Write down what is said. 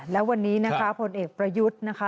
และวันนี้นะคะผลเอกประยุทธ์นะคะ